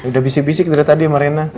emang udah bisik bisik dari tadi sama rina